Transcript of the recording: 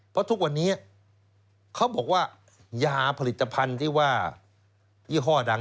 เพราะทุกวันนี้เขาบอกว่ายาผลิตภัณฑ์ที่ว่ายี่ห้อดัง